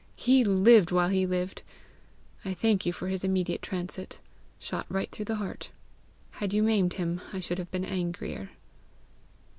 He lived while he lived! I thank you for his immediate transit. Shot right through the heart! Had you maimed him I should have been angrier."